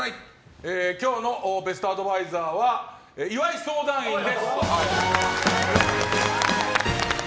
今日のベストアドバイザーは岩井相談員です。